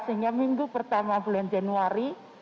sehingga minggu pertama bulan januari